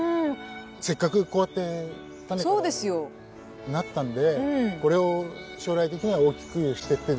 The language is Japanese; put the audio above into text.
せっかくこうやって種がなったんでこれを将来的には大きくしてって。